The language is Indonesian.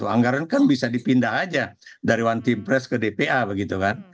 anggaran kan bisa dipindah aja dari one team press ke dpa begitu kan